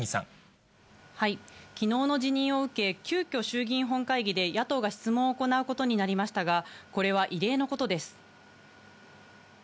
きのうの辞任を受け、急きょ、衆議院本会議で野党が質問を行うことになりましたが、これは異例のことです。